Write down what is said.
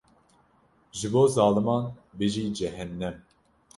Ji bo zaliman bijî cehennem.